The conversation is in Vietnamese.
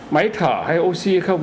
máy thở hay oxy không